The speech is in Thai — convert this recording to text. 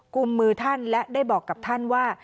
กลุ่มมือท่านและได้บอกกับท่านว่า